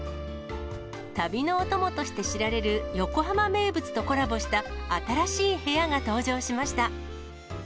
旅のお供として知られる、横浜名物とコラボした新しい部屋が登場しました。